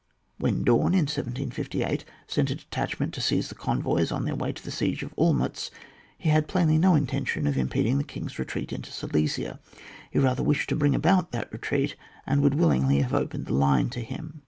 When Daun, in 1758, sent a detach ment to seize the convoys on their way to the siege of OlmUtz, he had plainly no intention of impeding the king's retreat into Silesia ; he rather wished to bring about that retreat, and would willingly have opened the line to him.